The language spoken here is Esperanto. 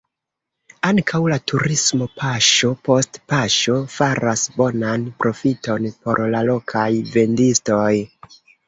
Ankaŭ la turismo paŝo post paŝo faras bonan profiton por la lokaj vendistoj.